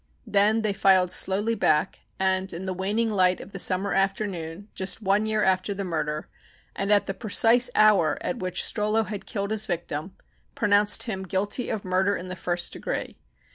Then they filed slowly back and, in the waning light of the summer afternoon just one year after the murder, and at the precise hour at which Strollo had killed his victim, pronounced him guilty of murder in the first degree.